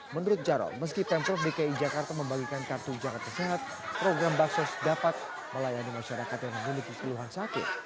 menurut jarod meski pemprov dki jakarta membagikan kartu jakarta sehat program baksos dapat melayani masyarakat yang memiliki keluhan sakit